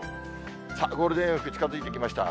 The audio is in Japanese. さあ、ゴールデンウィーク近づいてきました。